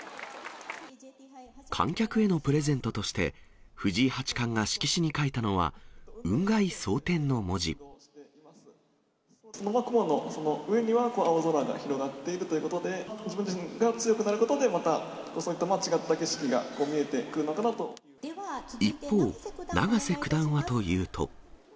観客へのプレゼントとして、藤井八冠が色紙に書いたのは、雲の上には青空が広がっているということで、自分自身が強くなることで、またそういった違っ一方、永瀬九段はというと。